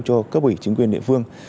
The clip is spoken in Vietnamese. cho cấp ủy chính quyền địa phương